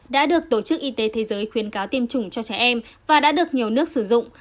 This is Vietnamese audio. đã được tổ chức y tế thế giới khuyến cáo tiêm chủng cho trẻ em và đã được nhiều nước sử dụng